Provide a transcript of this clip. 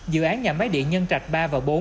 dự án nhà máy điện nhân trạch ba và bốn